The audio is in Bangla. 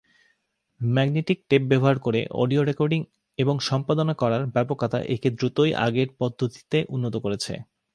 ম্যাগনেটিক টেপ ব্যবহার করে অডিও রেকর্ডিং এবং সম্পাদনা করার ব্যাপকতা একে দ্রুতই আগের পদ্ধতিতে উন্নত করেছে।